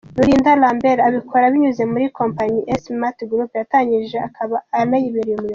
Rulindana Lambert abikora binyuze muri kompanyi ya S Mate Group yatangije akaba anayibereye umuyobozi.